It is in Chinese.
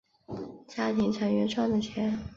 家庭成员赚的钱